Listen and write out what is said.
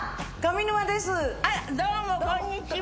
あらどうもこんにちは！